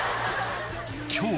今日